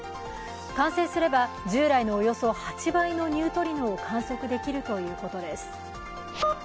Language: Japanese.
完成すれば、従来のおよそ８倍のニュートリノを観測できるということです。